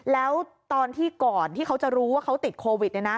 แล้วตอนที่ก่อนที่เขาจะรู้ว่าเขาติดโควิด